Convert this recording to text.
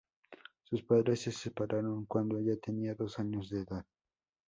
Sus padres se separaron cuando ella tenía dos años de edad.